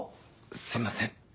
すいません。